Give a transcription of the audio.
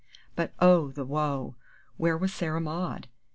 But, oh woe! where was Sarah Maud!